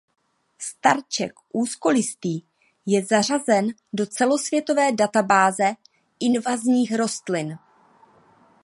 Starček úzkolistý je zařazen do celosvětové databáze invazních rostlin.